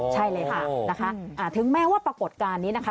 ใช่เลยค่ะนะคะถึงแม้ว่าปรากฏการณ์นี้นะคะ